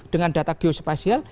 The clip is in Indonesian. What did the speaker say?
dengan data geospasial